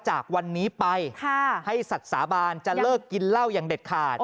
จากวันนี้ไปให้สัตว์สาบานจะเลิกกินเหล้าอย่างเด็ดขาด